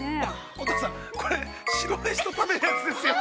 ◆乙葉さん、これ白飯と食べるやつですよ。